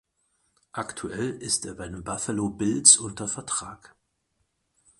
Aktuell ist er bei den Buffalo Bills unter Vertrag.